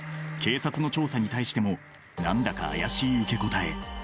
警察の調査に対しても何だか怪しい受け答え。